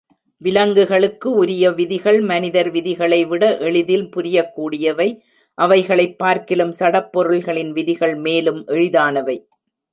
விலங்குகளுக்கு உரிய விதிகள் மனிதர் விதிகளைவிட எளிதில் புரியக் கூடியவை அவைகளைப் பார்க்கிலும் சடப்பொருள்களின் விதிகள் மேலும் எளிதானவை.